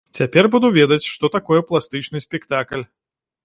Цяпер буду ведаць, што такое пластычны спектакль.